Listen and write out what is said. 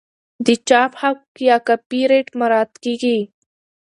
د چاپ حق یا کاپي رایټ مراعات کیږي.